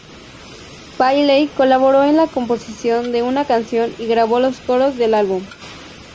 Bailey colaboró en la composición de una canción y grabó los coros del álbum.